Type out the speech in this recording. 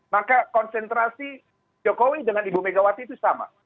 maka konsentrasi jokowi dengan ibu megawati itu sama